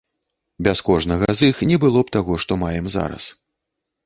Без кожнага з іх не было б таго, што маем зараз.